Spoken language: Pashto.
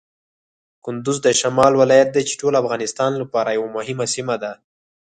کندز د شمال ولایت دی چې د ټول افغانستان لپاره یوه مهمه سیمه ده.